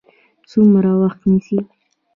څومره وخت نیسي؟